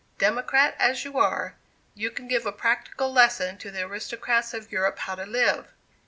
Democrat, as you are, you can give a practical lesson to the aristocrats of Europe how to live.